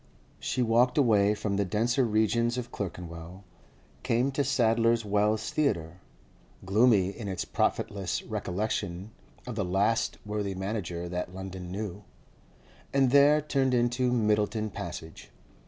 She walked away from the denser regions of Clerkenwell, came to Sadler's Wells Theatre (gloomy in its profitless recollection of the last worthy manager that London knew), and there turned into Myddelton Passage.